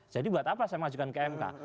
jadi buat apa saya mengajukan ke mk